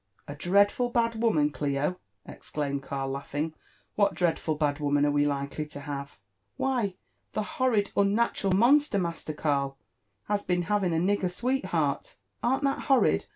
'' A dreadful bad woman, Clio !" exclaimed Karl, laughing : ''what dreadful bad woman are we likely to have ?"Why, the horrid unnatural monster, Master Karl, has been having a nigger sweetheart. Arn't that horrid